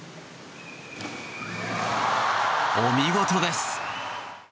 お見事です。